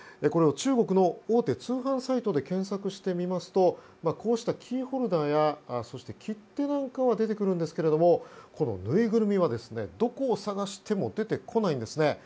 これを中国の大手通販サイトで検索してみますとこうしたキーホルダーや切手なんかは出てくるんですがこの縫いぐるみはどこを探しても出てこないんですね。